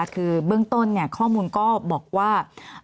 คือเบื้องต้นข้อมูลก็บอกว่า